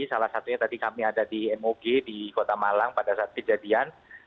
salah satunya tadi kami ada di mog di kota malang pada saat kejadian